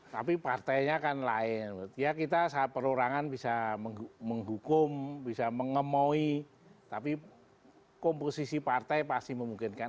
tapi partainya kan lain ya kita perorangan bisa menghukum bisa mengemoi tapi komposisi partai pasti memungkinkan